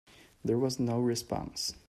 There was no response.